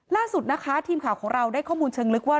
ล่าสุดนะคะทีมข่าวของเราได้ข้อมูลเชิงลึกว่า